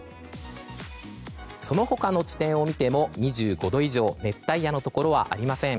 その他の地点を見ても２５度以上熱帯夜のところはありません。